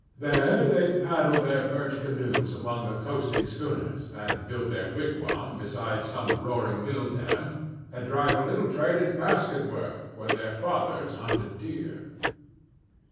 There they paddle their birch canoes among the coasting schooners, and build their wigwam beside some roaring mill dam, and drive a little trade in basket work where their fathers hunted deer.